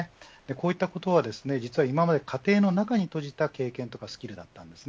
こういったことは実は、今まで家庭の中に閉じた経験やスキルでした。